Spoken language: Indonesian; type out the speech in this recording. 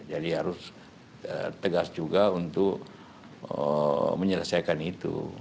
jadi harus tegas juga untuk menyelesaikan itu